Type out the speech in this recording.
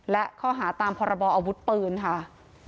และข้อหาตามพรบออาวุธปืนค่ะ